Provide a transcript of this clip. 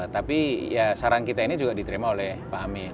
tapi ya saran kita ini juga diterima oleh pak amin